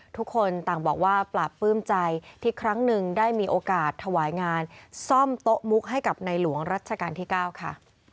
ทุกคนต่างบอกว่าปราบปลื้มใจที่ครั้งหนึ่งได้มีโอกาสถวายงานซ่อมโต๊ะมุกให้กับในหลวงรัชกาลที่๙ค่ะ